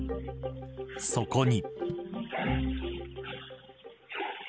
そこに。